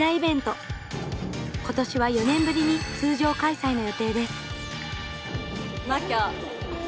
今年は４年ぶりに通常開催の予定です。